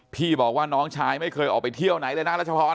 พี่บอกว่าน้องชายไม่เคยออกไปเที่ยวไหนเลยนะรัชพร